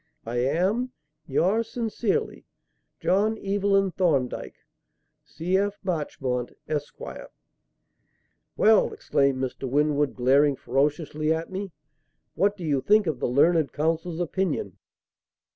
"I am, "Yours sincerely, "JOHN EVELYN THORNDYKE "C.F. MARCHMONT, ESQ." "Well!" exclaimed Mr. Winwood, glaring ferociously at me, "what do you think of the learned counsel's opinion?"